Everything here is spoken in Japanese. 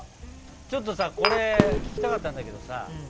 ちょっとさこれ聞きたかったんだけどさ